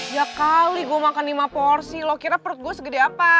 gak kali gua makan lima porsi lo kira perut gua segede apa